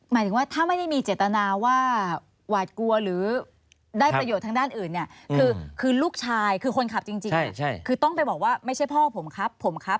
หมายถึงว่าถ้าไม่ได้มีเจตนาว่าหวาดกลัวหรือได้ประโยชน์ทางด้านอื่นเนี่ยคือลูกชายคือคนขับจริงคือต้องไปบอกว่าไม่ใช่พ่อผมครับผมครับ